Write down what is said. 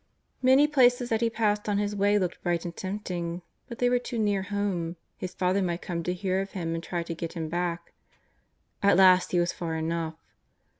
Many places that he passed on his way looked bright and tempting, but they were too near home ; his father might come to hear of him and try to get him back. iVt last he was far enough.